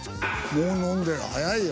もう飲んでる早いよ。